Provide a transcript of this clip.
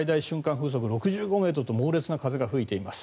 風速６５ｍと猛烈な風が吹いています。